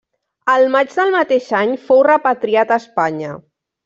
El maig del mateix any fou repatriat a Espanya.